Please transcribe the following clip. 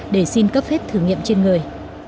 để xin cấp hết thử nghiệm trên người